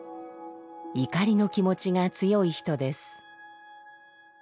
怒りの気持ちが強い人です。